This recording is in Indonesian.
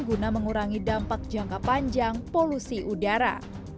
guna mengurangi dampak jangka panjang polusi udara